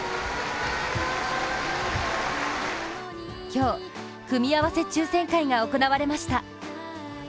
今日、組み合わせ抽選会が行われました。